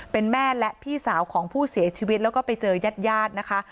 เป็นแม่และพี่สาวของผู้เสียชีวิตแล้วก็ไปเจอยาดนะคะ